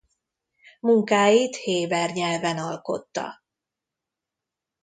Munkáit héber nyelven alkotta.